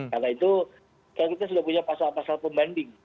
karena itu kita sudah punya pasal pasal pembanding